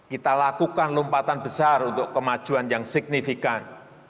kita lakukan lompatan besar untuk kemajuan yang signifikan